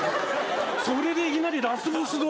それでいきなりラスボスと。